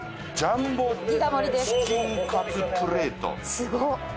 すごっ。